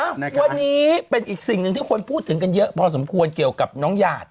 วันนี้เป็นอีกสิ่งหนึ่งที่คนพูดถึงกันเยอะพอสมควรเกี่ยวกับน้องหยาด